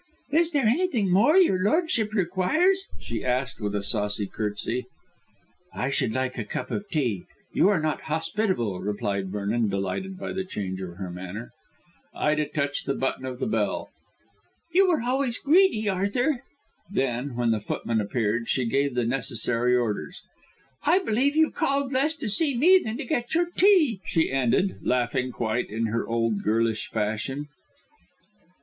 "Is there anything more your lordship requires?" she asked with a saucy curtsey. "I should like a cup of tea; you are not hospitable," replied Vernon, delighted by the change in her manner. Ida touched the button of the bell. "You were always greedy, Arthur." Then, when the footman appeared, she gave the necessary orders. "I believe you called less to see me than to get your tea," she ended, laughing quite in her old girlish fashion.